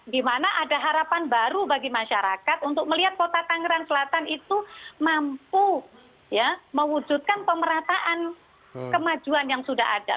di mana ada harapan baru bagi masyarakat untuk melihat kota tangerang selatan itu mampu mewujudkan pemerataan kemajuan yang sudah ada